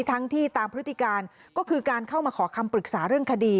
ทั้งที่ตามพฤติการก็คือการเข้ามาขอคำปรึกษาเรื่องคดี